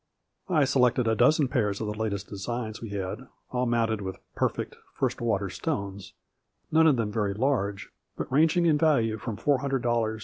I selected a dozen pairs of the latest designs we had, all mounted with perfect, first water stones, none of them very large, but ranging in 10 A FLURRY IN DIAMONDS.